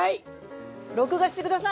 録画して下さい！